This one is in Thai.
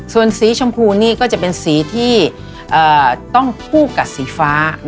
ส่วนสีชมพูนี่ก็จะเป็นสีที่ต้องคู่กับสีฟ้า